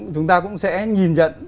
chúng ta cũng sẽ nhìn nhận